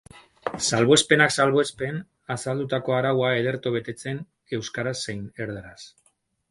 Salbuespenak salbuespen, azaldutako araua ederto betetzen euskaraz zein erdaraz.